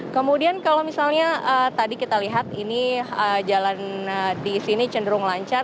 kemudian kalau misalnya tadi kita lihat ini jalan di sini cenderung lancar